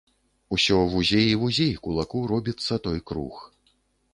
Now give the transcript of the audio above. Усё вузей і вузей кулаку робіцца той круг.